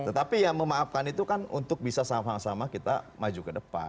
tetapi ya memaafkan itu kan untuk bisa sama sama kita maju ke depan